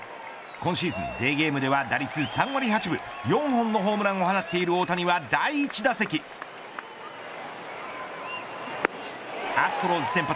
今シーズン、デーゲームでは打率３割８分４本のホームランを放っている大谷は第１打席アストロズ先発